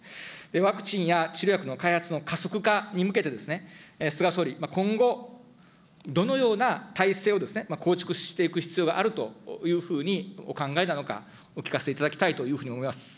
ワクチンや治療薬の開発の加速化に向けて、菅総理、今後、どのような体制を構築していく必要があるというふうにお考えなのか、お聞かせいただきたいというふうに思います。